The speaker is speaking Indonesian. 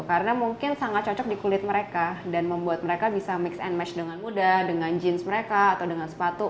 karena mungkin sangat cocok di kulit mereka dan membuat mereka bisa mix and match dengan muda dengan jeans mereka